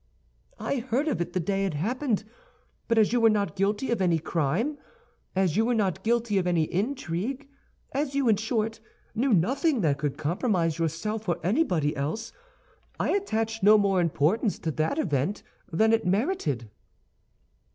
"I heard of it the day it happened; but as you were not guilty of any crime, as you were not guilty of any intrigue, as you, in short, knew nothing that could compromise yourself or anybody else, I attached no more importance to that event than it merited."